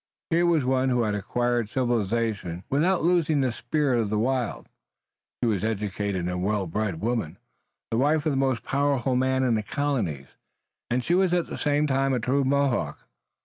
Here was one who had acquired civilization without losing the spirit of the wild. She was an educated and well bred woman, the wife of the most powerful man in the colonies, and she was at the same time a true Mohawk.